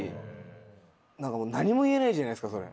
何も言えないじゃないですか